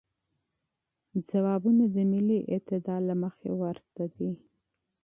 جوابونه د ملی اعتدال له مخې ورته دی.